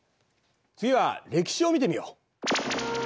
次は歴史を見てみよう。